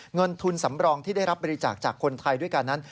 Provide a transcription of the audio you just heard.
เงินทุนสำรองที่ได้รับบริจาคจากคนไทยด้วยกันนั้น